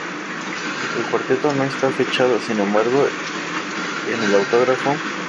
El cuarteto no está fechado, sin embargo, en el autógrafo.